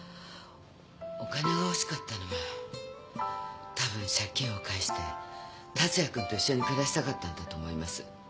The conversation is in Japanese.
お金が欲しかったのはたぶん借金を返して達也君と一緒に暮らしたかったんだと思います。